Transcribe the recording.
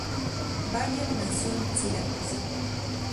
Bayer nació en Siracusa.